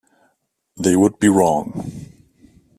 They would be wrong.